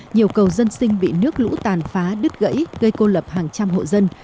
nhiều cầu dân sinh bị nước lũ tàn phá đứt gãy gây cô lập hàng trăm hộ dân